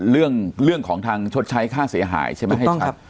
เรื่องเรื่องของทางชดใช้ค่าเสียหายใช่ไหมให้ชัดถูกต้องครับ